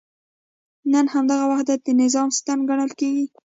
نن همدغه وحدت د نظام ستن ګڼل کېږي.